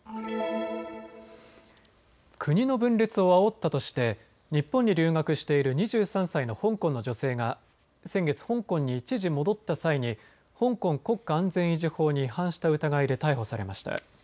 国の分裂をあおったとして日本に留学している２３歳の香港の女性が先月、香港に一時戻った際に香港国家安全維持法に違反した疑いで逮捕されました。